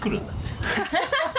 ハハハハ！